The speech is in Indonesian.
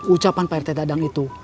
ucapan pak rt dadang itu